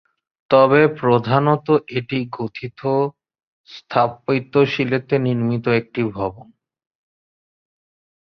তবে প্রধানত এটি গোথিক স্থাপত্যশৈলীতে নির্মিত একটি ভবন।